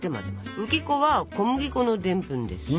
浮き粉は小麦粉のでんぷんです。